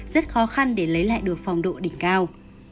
rất khó khăn để lấy lại được phòng độ đỉnh cao